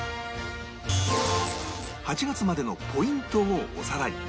８月までのポイントをおさらい